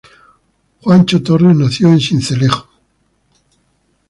Juancho Torres nació en Sincelejo.